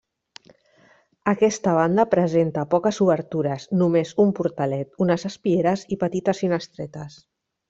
Aquesta banda presenta poques obertures, només un portalet, unes espieres i petites finestretes.